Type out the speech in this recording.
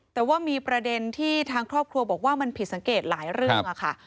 แต่ว่ามีประเด็นที่ทางครอบครัวบอกว่ามันผิดสังเกตหลายเรื่องค่ะ